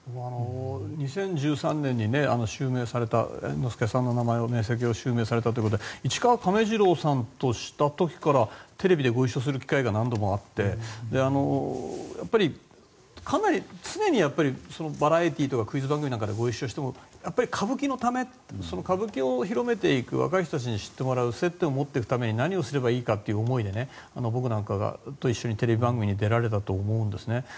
２０１３年に襲名された猿之助さんの名前ですが市川亀治郎さんとした時からテレビでご一緒する機会が何度もあってやっぱり常にバラエティーとかクイズ番組なんかでご一緒しても歌舞伎のため歌舞伎を広めていく若い人たちに知ってもらう接点を持っていくために何をすればいいかという思いで僕なんかと一緒にテレビ番組に出られていたと思うんですね。